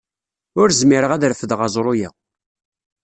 Ur zmireɣ ad refdeɣ aẓru-a.